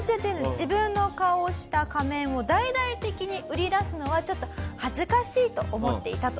自分の顔をした仮面を大々的に売り出すのはちょっと恥ずかしいと思っていたと。